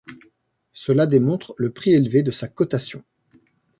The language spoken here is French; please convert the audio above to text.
Cela démontre le prix élevé de sa cotation.